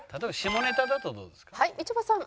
はいみちょぱさん。